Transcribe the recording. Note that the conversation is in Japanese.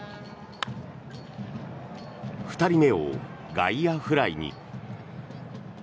２人目を外野フライに。